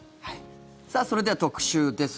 それでは特集です。